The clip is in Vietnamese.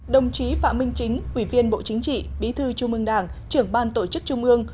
đồng chí phạm minh chính ủy viên bộ chính trị bí thư trung ương đảng trưởng ban tổ chức trung ương